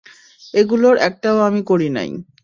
এগুলোর একটাও আমি করি নাই।